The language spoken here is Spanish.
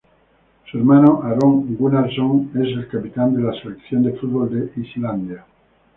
Su hermano, Aron Gunnarsson, es el capitán de la Selección de fútbol de Islandia.